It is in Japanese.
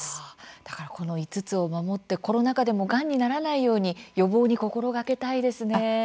だからこの５つを守ってコロナ禍でもがんにならないように予防に心がけたいですね。